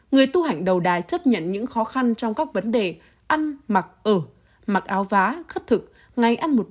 người tu hạnh đầu đà chấp nhận những khó khăn trong các vấn đề ăn mặc ở mặc áo vá khất thực ngay ăn một bữa